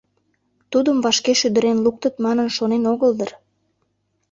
Тудым вашке шӱдырен луктыт манын шонен огыл дыр.